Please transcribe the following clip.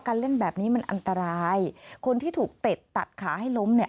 เล่นแบบนี้มันอันตรายคนที่ถูกเต็ดตัดขาให้ล้มเนี่ย